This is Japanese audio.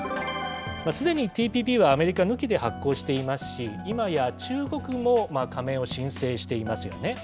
すでにＴＰＰはアメリカ抜きで発効していますし、いまや中国も加盟を申請していますよね。